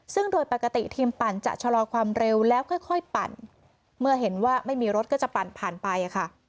ซึ่งโดยปกติทีมปั่นจะชะลอความเร็วแล้วค่อยปั่นเมื่อเห็นว่าไม่มีรถก็จะปั่นผ่านไปค่ะ